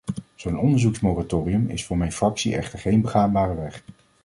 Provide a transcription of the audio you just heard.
Zo'n onderzoeksmoratorium is voor mijn fractie echter geen begaanbare weg.